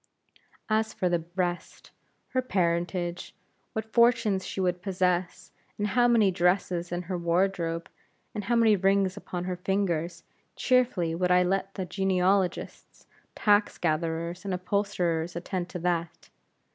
And for the rest; her parentage, what fortune she would possess, how many dresses in her wardrobe, and how many rings upon her fingers; cheerfully would I let the genealogists, tax gatherers, and upholsterers attend to that.